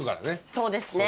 そうですね。